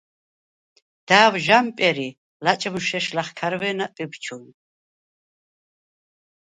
და̄̈ვ ჟ’ა̈მპერ ი ლაჭმუშ ეშ ლახქარვე̄ნა ტვიბჩუ̄ნ.